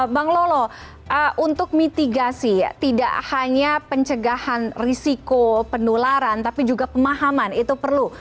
bang lolo untuk mitigasi tidak hanya pencegahan risiko penularan tapi juga pemahaman itu perlu